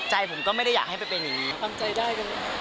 ใจผมก็ไม่ได้อยากให้เป็นอย่างนี้